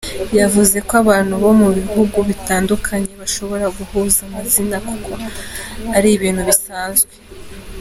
Yavuze ko abantu bo mu bihugu bitandukanye bashobora guhuza amazina kuko ari ibintu bisanzwe.